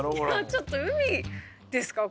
ちょっと海ですか？